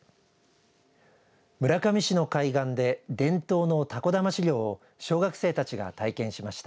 村上市の海岸で伝統のタコだまし漁を小学生たちが体験しました。